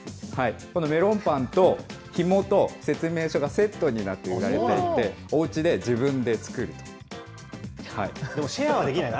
このメロンパンとひもと説明書がセットになって売られていて、おでも、シェアはできないな。